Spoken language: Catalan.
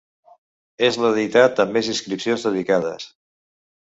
És la deïtat amb més inscripcions dedicades.